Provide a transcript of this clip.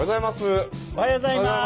おはようございます！